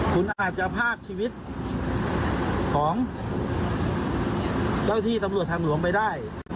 คุณอาจจะพากชีวิตของเจ้าที่ตำรวจทางหลวงไปได้